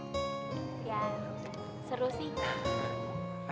ya seru sih